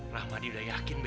ramadi udah yakin be